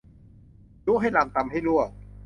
ยุให้รำ ตำให้รั่ว